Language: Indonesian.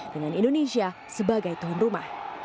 dengan indonesia sebagai tuan rumah